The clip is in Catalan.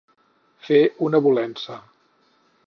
Fer una volença.